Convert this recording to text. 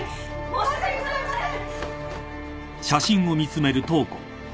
申し訳ございません！